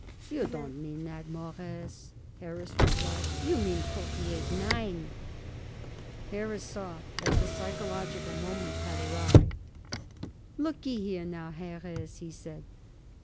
"You don't mean that, Mawruss," Harris replied. "You mean forty eight nine." Morris saw that the psychological moment had arrived. "Look y here, now, Harris," he said.